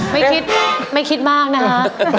ไม่คิดไม่คิดมากนะคะ